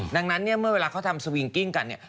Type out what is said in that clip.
ดังนั้นเนี่ยเมื่อเวลาเขาทำสวิงกิ้งกันเนี่ย